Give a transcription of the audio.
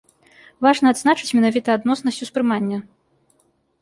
Важна адзначыць менавіта адноснасць успрымання.